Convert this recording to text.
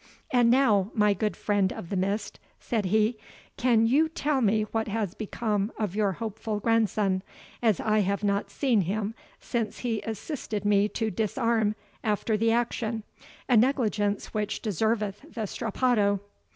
"And now, my good friend of the Mist," said he, "can you tell me what has become of your hopeful grandson, as I have not seen him since he assisted me to disarm after the action, a negligence which deserveth the strapado?"